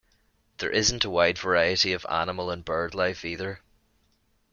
There isn't a wide variety of animal and bird life either.